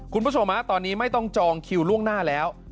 คุณผู้ชมตอนนี้ไม่ต้องจองคิวล่วงหน้าแล้ว